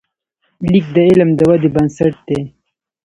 لیک د علم د ودې بنسټ دی.